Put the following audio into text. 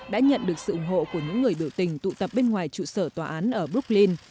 đã nhận được sự ủng hộ của những người biểu tình tụ tập bên ngoài trụ sở tòa án ở bocklin